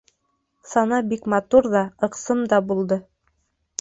Сана бик матур ҙа, ыҡсым да булды.